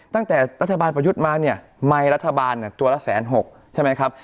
ตั้งแต่รัฐบาลประยุทธ์มาเนี่ยไมค์รัฐบาลตัวละ๑๖๐๐ใช่ไหมครับ